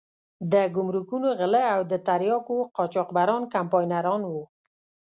د ګمرکونو غله او د تریاکو قاچاقبران کمپاینران وو.